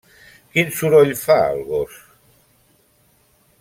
Quin soroll fa el gos?